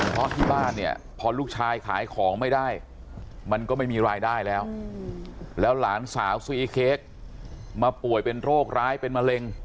เพราะที่บ้านเนี่ยพอลูกชายขายของไม่ได้มันก็ไม่มีรายได้แล้วแล้วหลานสาวซีอีเค้กมาป่วยเป็นโรคร้ายเป็นมะเร็ง